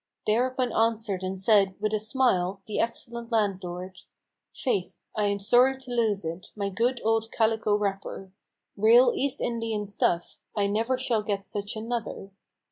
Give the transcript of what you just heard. Thereupon answered and said, with a smile, the excellent landlord: "Faith! I am sorry to lose it, my good old calico wrapper, Real East Indian stuff: I never shall get such another.